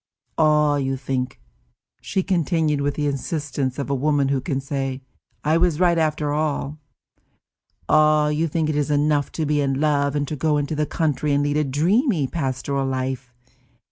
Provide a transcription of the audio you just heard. "Ah, you think," she continued, with the insistence of a woman who can say, I was right after all, "ah, you think it is enough to be in love, and to go into the country and lead a dreamy, pastoral life.